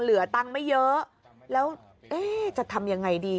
เหลือตังค์ไม่เยอะแล้วเอ๊ะจะทำยังไงดี